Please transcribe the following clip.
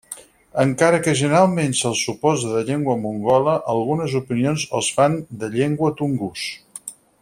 Encara que generalment se'ls suposa de llengua mongola, algunes opinions els fan de llengua tungús.